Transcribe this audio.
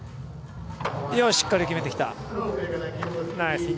しっかり決めてきた。